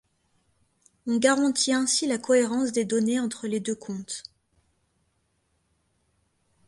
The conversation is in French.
On garantit ainsi la cohérence des données entre les deux comptes.